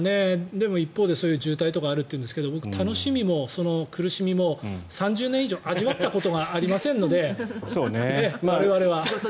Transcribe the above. でも、一方で渋滞とかあるというんですが僕、楽しみもその苦しみも３０年以上味わったことがありませんので、我々は。